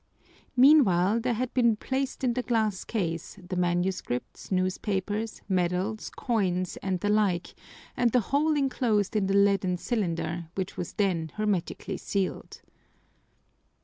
Meanwhile, there had been placed in the glass case the manuscripts, newspapers, medals, coins, and the like, and the whole enclosed in the leaden cylinder, which was then hermetically sealed.